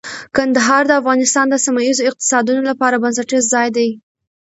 کندهار د افغانستان د سیمه ییزو اقتصادونو لپاره بنسټیز ځای دی.